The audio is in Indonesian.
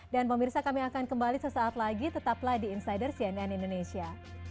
dan pemirsa kami akan kembali sesaat lagi tetaplah di insider cnn indonesia